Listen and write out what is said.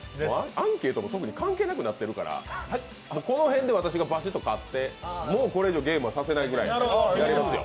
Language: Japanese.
アンケートも特に関係なくなってるからこの辺で私がバシッと勝って、これ以上ゲームさせませんよ。